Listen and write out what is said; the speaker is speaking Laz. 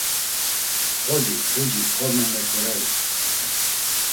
Xoci, puci, korme, meǩoreri.